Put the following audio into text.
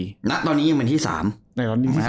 แล้วตอนนี้ยังเป็นที่๓